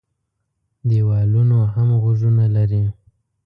دېوالونو هم غوږونه لري.